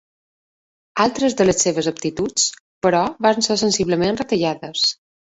Altres de les seves aptituds, però, van ser sensiblement retallades.